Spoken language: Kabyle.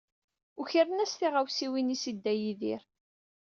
Ukren-as tiɣawsiwin-is i Dda Yidir.